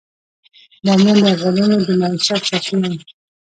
بامیان د افغانانو د معیشت سرچینه ده.